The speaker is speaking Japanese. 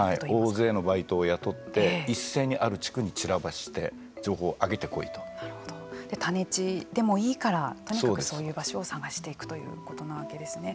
大勢のバイトを雇って一斉にある地区に散らばせて種地でもいいからとにかく、そういう場所を探していくということなわけですね。